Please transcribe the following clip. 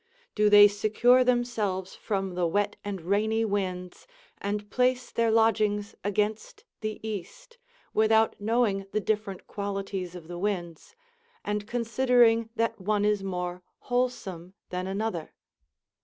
Do they secure themselves from the wet and rainy winds, and place their lodgings against the east, without knowing the different qualities of the winds, and considering that one is more wholesome than another?